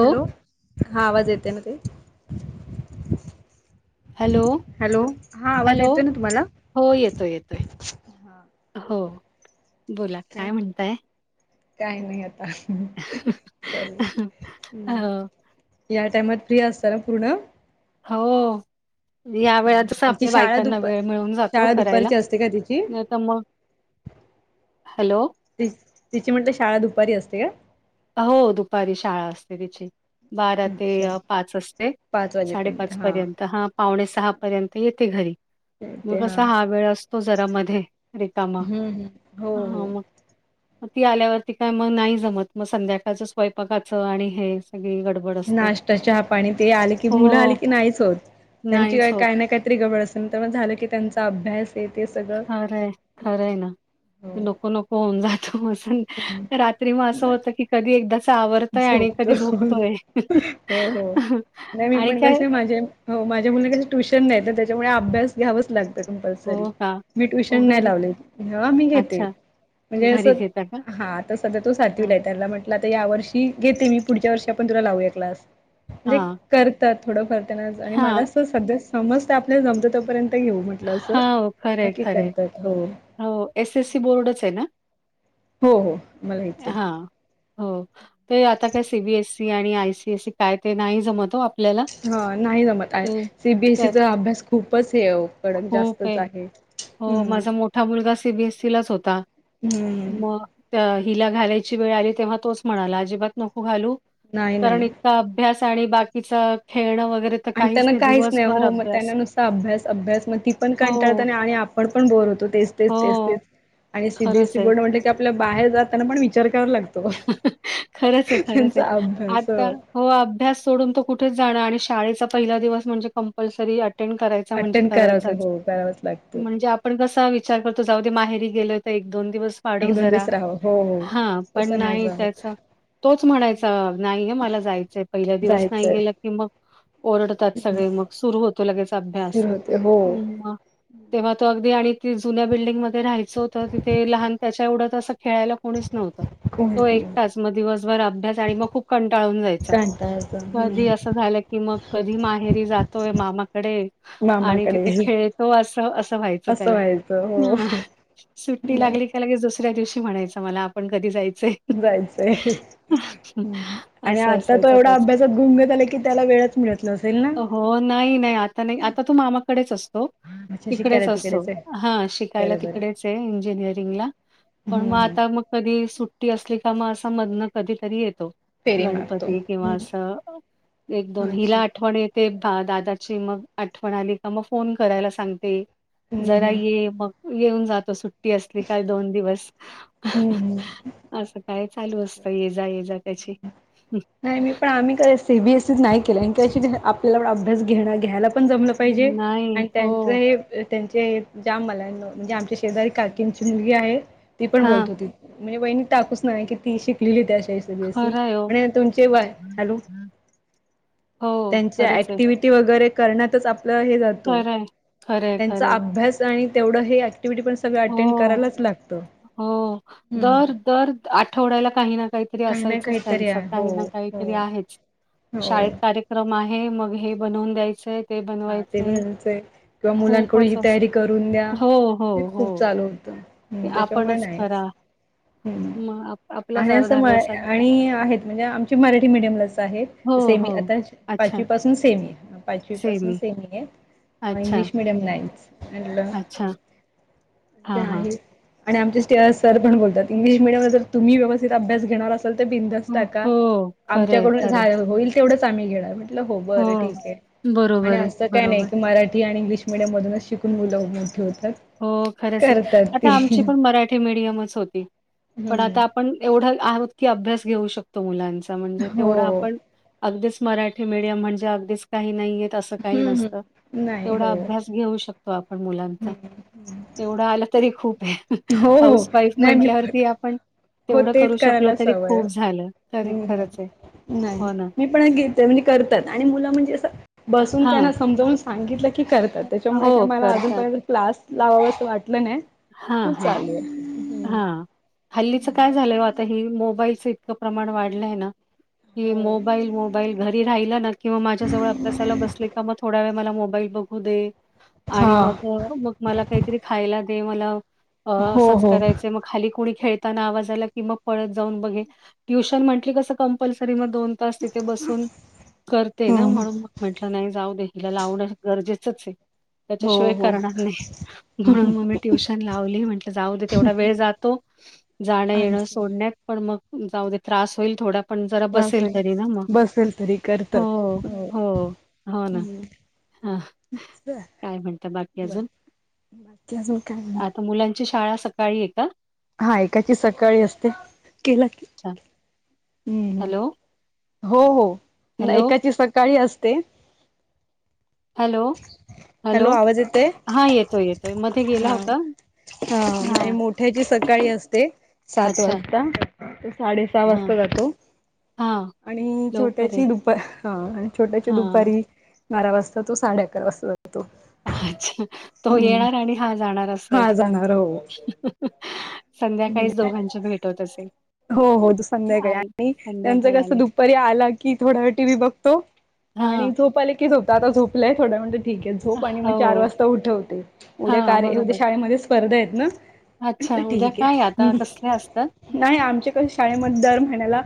Hello हा आवाज येते ना ते हॅलो हॅलो हा आवाज हॅलो. येतोय ना तुम्हाला हो येतोय येतोय हो बोला काय म्हणताय काही नाही आता चलले हम् हो, या टाइमात फ्री असत ना पूर्ण हो या वेळा जस ती आपल्या शाळा बायकांना दुपार वेळ मिळून जातो करायला नाही तर मग ह हॅलो ति तिची म्हटलं शाळा दुपारी असते का हो दुपारी शाळा असते तिची बारा ते अच्छा पाच असते पाच वाजेपर्यंत साडेपाच हा पर्यंत हा पावणे सहा पर्यंत येते घरी मग असा हा वेळ असतो जरा मध्ये रिकामा हो हा हो मग ग ती आल्यावरती काय मग नाही जमत मग संध्याकाळचं स्वयंपाकाचं आणि हे सगळी गड नाश्ता चहा पाणी ते आले की मुलं हो. आले की नाहीच होत त्यांची नाहीच का होत. काय ना काही तरी गबड अस झालं की त्यांचा अभ्यास आहे ते सगळं खरंय खरं आहे ना ते नको नको होऊन जातो मस हम् रात्री म असं होत क कधी एकदाच आवरतोय आणि झोपतो कधी झोपतोय हो हो नाही मी आणि पण काय कसे माझे हो माझ्या मुना कस ट्युशन नाही तर त्याच्यामुळे अ्यास घ्यावंच लागत कंपल्सरी हो का? मी हो ट्युशन नाही घरी लावले मी घेते अच्छा, म्हणजे घरी असं घेता का? हात आ सध्या तो हां, सातवीला आहे त्याला म्हटलं आता या वर्षी घेते मी पुढच्या वर्षी आपण तुला लावूया क्लास म्हणजे हां, करतात थोडंफर त्यांना आणि मला हां, असं सध्या समजत आपल्याला जमत तपर्यंत ता येऊ म्हटलं असं हां. हो, खरंय, बाकी खरंय. करतात हो हो एसएससी बोर्डच आहे ना हो हो मला याचं आहे हां, हो ते आता काय सीबीएसई आणि आय सीएसई काय ते नाही जमतो आपल्याला हा नाही जमत ते त्यात सीबीएसईचा अभ्यास खूपच हे कडक जास्तच आहे हम्म मोठठा मुलगा सीबीएसईलाच होता मग हिला घालायची वेळ आली तेव्हा तोच म्हणाला अजिबात नको घालू नाही नाही कारण इ अभ्यास आणि बाकीच खेळणं वगैरे तर आणि त्यांना काहीच नाही दिवसभर हो मग त्यांना अभ्यास." नुससा अभ्यास अभ्यास मग ति पण हो, कंटाळ आणि आपण पण बोर होतो तेच तेच तेच हो. तेच आणि खरंच सीबीसई आहे. बोर्ड म्हण ते आपल्या बाहेर जात त्यांना पण विचार करा लागतो खरंच आहे खरंच आहे त्यांचा अभ्यास आता हो अभ्यास सोडून तो कुठेच जाणं आणि शाळेचा पहिला दिवस म्हणजे कंपल्सरी अटेंड करायच म्हण अटेंड क करायचा हो करावाच लागतो म्हण पण कसा विचार करतो जाऊद माहेरी गेलो तर एक दोन दिवस पाढव एक दोन जरा दिवस राहावं हो हो हा पण तसं नाही जमत त्याच तोच म्हणायचा नाहीये मला जायचंय पहिल्या दिवस नाही जायचंय गेलं की मग ओरडतात सगळे मग सुरू होतो लगेच अभ्यास सुरू होते हो तेव्हा तो अगदी आणि त जुन्या बिल्डिंगमध्येध्ये राहायचं होतं तिथे लहान त्याच्या एवढंत असं खेळायला कोणीच नव्हतं तो एकटच मग दिवसभर अभ्यास आणि मग खूप कंटाळून जायचा कंटाळा येतो कधी हम्म असं झालं कि मग कधी माहेरी जातोय मामाकडे आणि मामाकडे तिथे खेळतो असं असं व्हायच असं व्हायचं हो सुट लाली नाही त्या लगेच दुसऱ्या दिवशी म्हणायचं मला आपण कधी जायचंय. जायचंय आणि असं आता तो असायचं एवढा त्याच. अभ्यासात घुग झालाय की त्याला वेळच मिळत नाही. जातेल ना हो, नाही नाही आता नाही आता तू मामा कडेच असतो अच्छा तिकडेच शिकायला असतो. आहे हा शिकायला बरोबर तिकडेच आहे. इंजिनिअरिंगला पण हम्म मग हम्म आता मग कधी सुट्टी असली. का मग असं मदन कधीतरी येतो. फेरी मारतो गणपती किंवा असं एक दोन हिला अच्छा आठवण येईल तेव्हा दादाची मग आठवण आली का मग फोन करायला सांगते. हम्म जरा हम्म ये मग येऊन जातो. सुट्टी असली काल दोन दिवस हम् हम् असं काय चालू असतं ये जा ये जा त्याची, नाही मी पण आम्ही कस बीएसस नाही केलं आपल्याला अभ्यास घेणं घ्यायला आपण जमलं पाहिजे नाही आणि हो त्यांच हे त्यांचे ज्या मलांना म्हणजे आमच्या शेजारी काकीनची मुलगी आहे ती पण हा बोलत होती. म्हणजे वहिणी टाकूच नाही की ती शिकलेली एसबीएसी खरं आहे हो. म्हण व्हय, हॅलो हो त्यांच्या खरंच आहे. ऍक्टिवि विटी वैगरे करण्यात आपलं हे जातो. खरंय, आणि खरंय, त्यांचा खरंय. अभ्यास आणि तेवढं हे ऍक्टिव्हीटी पण सगळं अटेंड हो, करालाच लागतं. हो हम्म दर दर आठवड्याला काही ना काहीतरी काही ना असायचंच काहीतरी त्यांचं आहे हो काही ना काही हो तरी आहेच. हो शाळेत कार्यक्रम आहे मग हे बनवून द्यायचंय. ते हा ते बनवायचंय बघाचंय किंवा मुलांकडून खूपच ही अस तयारी करून द्या. हो, हो, खूप हो. चालू होत ते त्याच्यामुळे आपणच नाहीच, करा. मग आप आपल्याच आणि अस अर्धा म्ह बेस आणि आहेत म्हणजे आमची मराठी मीडियमलाच आहेत. हो, सेमी हो. आता अच्छा पाचवी पासून सेमी पाचवी पासून सेमी आहे. अच्छा, इंग्लिश मीडीयमलाच आहे. म्हटलं अच्छा. होय, ते हां, हां. आहे. आणि आमचे सी आर सर पण बोलतात इंग्लीश मिडयमला जर तुम्ही व्यवस्थित अभ्यास घेणार अस बिनधास्त टाका हो, खरंय, आमच्याकडून खरंय. होईल तेवढंच आम्ही घेणार म्हटल. म्हटलं. हो बरं ठीक आहे. आणि बरोबर आहे, असं काय नाही बरोबर. की मराठी आणि इंग्लिश मिडियम मधूनच शिकून मुलं मोठी होतात. हो, खरंच आहे. करतात आता ती आमची पण मराठी मिडियमच होती पण आता हम्म पण एवढा आहोत की अभ्यास घेऊ शकतो मुलांचा म्हणजे तेवढा हो आपण अगदीच मराठी मिडियम म्हणजे अगदीच काही नाहीय. तसं काही हम्म नसतं हम्म नाही तेवढा हो अभ्यास घेऊ शकतो आपण मुलांचा हम्म तेवढं आलं तरी खूप आहे. हो हो हाऊस वाईफ नाही मी म्हटल्यावरती आपण हो तेवढं तेच करू शकलो. करायला तरी सवय खूप झालं तरी हम्म खरच आहे. हम्म नाही. हो ना. मी पण घेते म्हणजे करतात आणि मुलं म्हणजे अस बसून हां. त्यांना समजावून सांगितलं की करतात. त्याच्यामुळे काय हो, मला करतात. अजूनपर्यंत क्लास लावावं असं वाटलं नाही. मस्त चालू आहे. हम्म. हा हल्लीचं काय झालं. आता हि मोबाईलच इतकं प्रमाण वाढलंय ना. कि मोबाईल मोबाईल घरी राहिला ना. किंवा माझ्या जवळ अभ्यासाला बसल का थोड्या वे मला मोबाईल बघू दे हा आणि मग मग मला काहीतरी खायला दे मला अ हो असंच हो करायचं मग खाली कुणी खेळताना आवाज आला कि मग पळत जाऊन बघे. ट्युशन म्हटली कसं कंपल्सरी मग, दोन तास तिथे बसून करते ना हम्म म्हणून म्हटलं नाही जाऊ दे. तिला लावण गरजेचंच आहे. हो त्याच्याशिवाय हो करणार नाही. म्हणून, मग मी ट्युशन लावली म्हटल जाऊ दे. तेवढा वेळ जातो. जाणं-येण अच्छा सोडण्यात पण मग जाऊदे त्रास होईल थोडा पण जरा बसेल चालेल तरी ना मग बसेल तरी हो करतात हो हो ना. हा बर काय म्हणता बाकी अजून, बाकी अजून काय ची शाळा सकाळी येतात हा एकाची सकाळी असते केला अच्छा. हम् हॅलो, हो हो हॅलो, एकाची सकाळी असते हॅलो हॅलो आवाज येतोय हा येतोय येतोय मध्ये गेला हा होता हा मोठ्याची सकाळी असते सात वाजता तर साडे सहा हां, वाजता जातो हां. आणि लवकर आहे. छोट्याची दुपारी ह आणि छोट्याची हां, दुपारी बारा वाजता तू साडे अकरा वाजता ज तो अच्छा तो येणार आणि हा जाणार असय हा जाणार हो संध्याकाळीच दोघांची भेट होत असे हो हो संध्याकाळी आणि त्यांचं कसं आले. दुपारी्या आला की थोडा वेळ टी मी बघतो हां, आणि झोपा आले की झोपत आता झोपलंय थोडं म्हणजे ठीक आहे झोप आणि मग चार हो. वाजता उठवते उद्या हां, कार्य उद्या बरोबर. शाळेमध्ये स्पर्धा आहेत ना अच्छा, उद्या ठीक काय आता आहेम कसले असतात? नाही आमच्या क शाळेमध्ये दर महिन्याला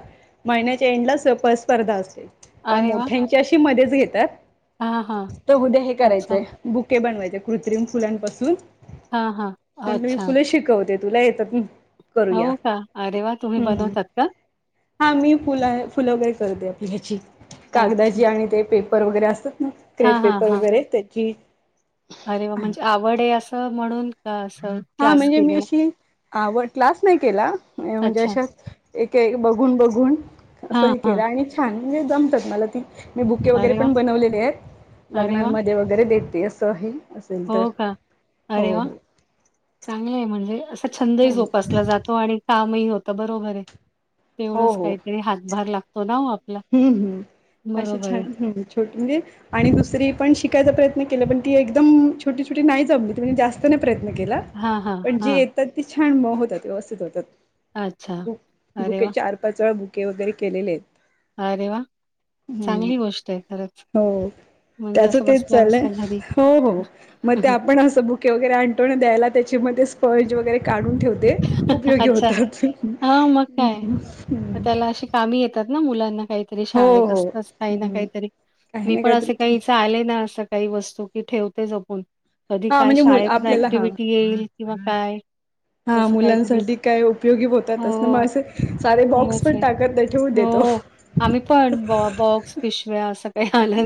महिन्याच्या एंडलाच परस्पर्धा असते पण अरे वाह! मोठ्यांची अशी मदच घेतात हां, हां. तर उद्या हे अच्छा. करायचंय बुके बनवायचे कृत्रिम फुलांपासून हां, हां. प तुी अच्छा. फुलं शिकवते तुला येतात ना हो का अरेवा तुम्ही बनवतात का हा मी फुलं फुलं काय करते आपल्याची अच्छा. कागदाची आणि ते पे र वगैरे असतात ना क्रेप हां, हां, पेपर हां. वगैरे त्याची अरे वा आहे म्हणजे आवड आहे असं म्हणून का असं हा क्लास म्हणजे मी केलेला? अशी आ क्लास नाही केला म्हणजे अच्छा. अशा एक बघून बघून असं हां, हे हां. केलं आणि छान म्हणजे जमतात मला ती मी बुके वगैरे अरे वाह! पण बनवलेले आहेत अरे वाह! लग्नांमध्ये वगैरे देते असंही हो का अरे वा चांगलं आहे म्हणजे असा छंदही ह जोपासला जात तो आणि कामही होत बरोबर आहे हो तेवढंच हो काहीतरी हातभार लागतो ना हो आपला हम्म हम् अशी बरोबर आहे. छान ह् म्हणजे आणि दुसरी पण शिकायचा प्रयत्न केला पण ती एकदम छोटी छोटी नाही जमली जास्तने प्रयत्न केला हां, हां, पण जे हां. येतात तेी छान म होतात व्यवस्थित अच्छा. होतात अरे बुके वाह! चार पाच वेळा बुके वगैरे केलेले आहेत अरे वा हम् हो म्हणजे त्याचं असं तेच चालंय बसल्या-बसल्या घरी हो हो मग ते आपण असं ब वगैरे आणटो न द्यायला त्याच्यामध्ये स्पर्ज वगैरे काढून ठेवते उपयोगी अच्छा. होतात हां, मग काय? मग त्याला अशी कामी येतात ना मुलांना काही तरी शाळेत हो असत काही ना हम्म. काहीतरी काही मी नाही पण काहीतरी असे ठेव काहीच आले ना असं काही वस्तू की ठेवते जपून कधी हा काय म्हणजे मुल शाळेतन आपल्याला हा ऍक्टिव्हटी येईल किंवा काय हा तसं काहीतरी मुलांसाठी काय उपयोगी हो, होतातस ना मग हो. असे सारे बॉक्स खरंच पण आहे. टाकत त्या ठेव देतो हो. आम्ही पण बॉक्स पिशव्या असं काही आलं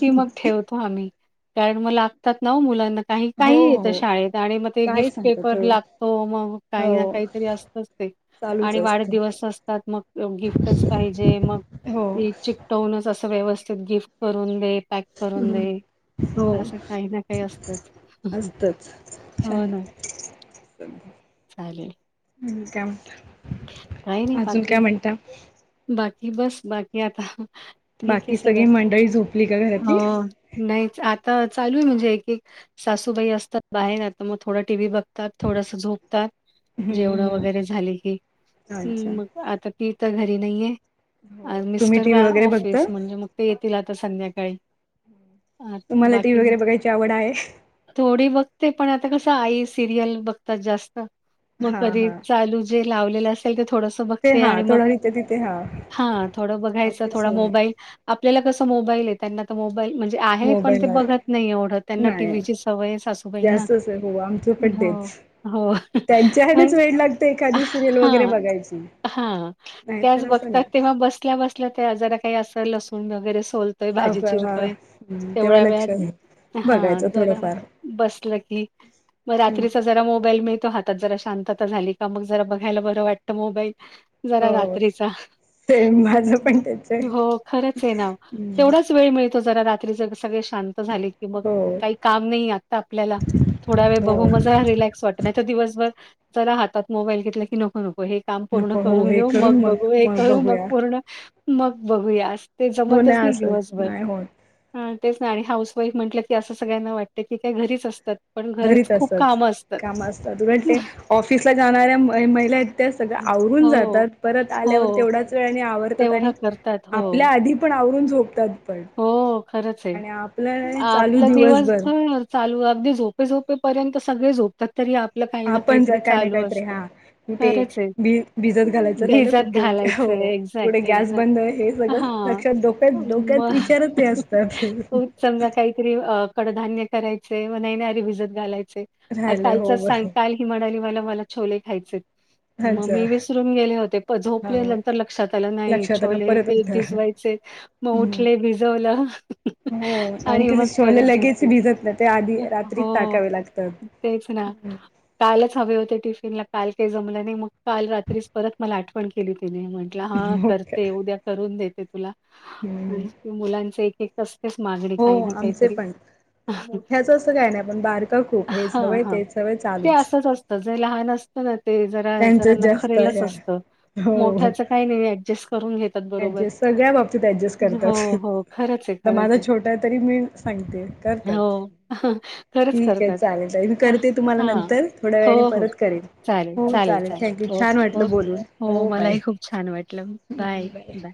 की मग ठेवत आम्ही कारण मला लागतात नाव मुलांना काही काही हो येत हो शाळेत आणि मग ते काही गिफ्ट सांगतात पेपर हो लागतो मग काही ना हो काहीतरी असतच ते चालूच आणि असतं वाढदिवस असतात मग गिफ्टच पाहिजे मग हो च टोनच असं व्यवस्थित गिफ्ट करून देॅक करून दे हो असं काही ना काही असतच हो ना च चालेल. ह काम. काही नाही बाकी बाकी बस बाकी आता. ठीक आहे बाकी सगळ सगळी मंडळी झोपली का घरातली? हो. नाही आता चालू आहे म्हणजे एक एक सासूबाई असतात बाहेर आता मग थोडं टी व्ही बघ. थोडस झोपतात हम्म जेवण वगैरे हम्म झाली की. अच्छा. ह् मग आता ती तर घरी नाही आहे हो तुम्ही मिस्टर टी व्ही बा वगैरे बघता? ऑफिस म्हणजे मग. ते येतील आता संध्याकाळी. अ, तुम्हाला टी वही बाकी वगैरे बघायची आवड आहे. थोडी बघते पण आता कसं आई सिरियल बघतात जास्त. मग हा कधी हा चालू जे लावलेलं असेल ते थोडस. ते हा थोडा इथे तिथे हा थोड बघायच अगदीच थड हे नाही. मोबाईल. आपल्याला कसं मोबाईल आहे. त्यांना तर मोबाईल म्हणजे आहे पण ते मोबाईलवर बघत नाही एवढं त्यांना नाही टीव्हीची सवय. ई ना जास्तच आहे हो आमचं पण हो तेच. हो त्यांच्या ह्यानेच मग. वेड लागते एखादी सिरियल हा वगैरे बघायची हा त्याच नाहीतर असं बघतात नाही. तेव्हा बसल्या बस. तलं आजार काही असं लसूण वगैरे सोलतोय भाजी साफ चिरतोय तेव्हा तेवढ्या वेळ. लक्ष आहे हा बघायचं जरा थोडंफार. बसलं की मग हम्म. रात्रीच. ज मो मितो हातात ज शां झाली का म ज बघायला ब वाटत मोईल. जरा हो रात्रीचा सेम माझं पण त्याच आहे. हो खरंच आहे नाव हम्म तेवढंच. वेळ मिळतो ज रात्री ज सगळे शांत झाली. क मग हो काही काम नाही आता आपल्याला थोडा वेळ हो. बघून म. क् वाट नाही दिवसभर जरा हातात मोईल घेत क नको नको. काम पूर्ण नको हो करून हे घेऊ करू मग बघू हे करू मग बघूया पूर्ण मग बघूया. ते हो जमतच नाही असत दिवसभर. नाही होत ह तेच नाही आणि हाऊस वाईफ म्हटलं की असं सगळ्यांना वाटतं की काय घरीच असतात. पण घरीच घरीत खूप असतात कामं असतात. काम असतात उलट ते. ऑफिसला जाणाऱ्या महिला आहेत त्या सगळ्या आवरून हो, जातात परत आल्यावर हो तेवढाच वेळ आणि आव. तेवढं आणि करतात हो. आपल्या आधी पण आवरून झोपतात. पण हो खरंच आहे आणि आपलं चालू आपला दिवसभर. चालू अगदी झोपे झोपेपर्यंत सगळे झोप. आपण जर काय नाही काहीत रे असतं. हा कुठे खरंच आहे. भि भिजत घालायच. भिजत कुठे घालायचंय कठे एक्झॅक्ट, गस एक्झॅक्ट. बंद हे सगळ हां. लक्षात क्यात डत. शर ते असतात. मग समजा काहीतरी कडधान्य करायचे मण येणारे भिजत घालायचे. अ राहिले कालचा हो सांग बरोबर काल ही म्हणाली मला मला छोले खायचे. मग अच्छा मी विसरून गेले होते प झोपले हा नंतर लक्षात आलं नाही लक्षात आलं छोले परत ते उठा. भिजवायचे. मग हम्म. उठले भिजवलं. हो आणि कसे मग छोले परत लगेच झोपली भिजत नाही ते आधी रात्रीच हो टाकावे लागतात. तेच ना. हम्म. कालच हवे होते टिफिनला काल काही जमलं नाही मग काल रात्रीच परत मला आठवण केली तिने म्हण. ह हो काय कर उद्या दे तु. हम्म. एक असतेच मागणी हो काही ना आमचे काहीतरी. पण मोठ्याच असं काय नाही पण बारका खूप हेच हा हवंय हा तेच हवंय ते चालूच. असच असत जे लहान असत. ना ते जरा जरा त्यांचंच जास्त हे नखरेलच आहे. असतं मोठ्याच काही नाही ऍडजस्ट करून घेत. डजस्ट सगळ्या बाबतीत ऍडजस्ट. करतात हो. खरंच आहे, खरंच माझा छोटा आहे तरी मी सांगते करतात. हो. खरंच ठीक आहे करतात. चालेल चालेल मी हां. करते तुम्हाला हां. नंतर थोड्या हो, वेळा आणि हो. परत करेन. चालेल, हो चालेल थँक यू छान ओके, वाटलं ओके. बोलून हो बाय. मलाही खूप छान वाटलं हम्म बाय बर बाय.